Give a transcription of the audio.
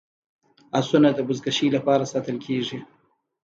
اسونه د بزکشۍ لپاره ساتل کیږي.